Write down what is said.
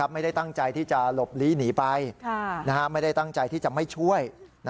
ไม่ได้ตั้งใจที่จะหลบลีหนีไปไม่ได้ตั้งใจที่จะไม่ช่วย